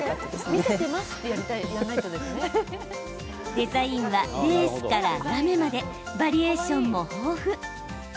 デザインは、レースからラメまでバリエーションも豊富。